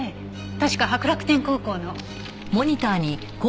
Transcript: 確か白楽天高校の。